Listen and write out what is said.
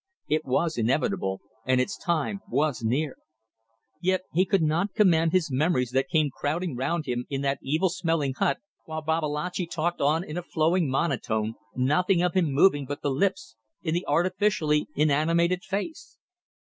It was inevitable, and its time was near. Yet he could not command his memories that came crowding round him in that evil smelling hut, while Babalatchi talked on in a flowing monotone, nothing of him moving but the lips, in the artificially inanimated face.